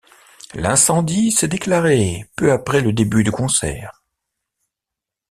L'incendie s'est déclaré peu après le début du concert.